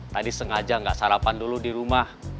tadi sengaja nggak sarapan dulu di rumah